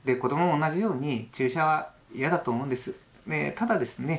ただですね